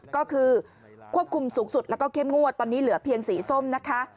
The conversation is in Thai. ก็คือควบคุมสูงสุดแล้วก็เข้มงวดตอนนี้เหลือเพียงสีส้มนะคะ